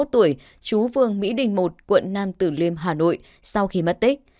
hai mươi một tuổi chú phương mỹ đình i quận nam tử liêm hà nội sau khi mất tích